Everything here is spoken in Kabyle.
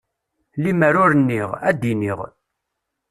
Lemmer ur nniɣ, ad d-iniɣ.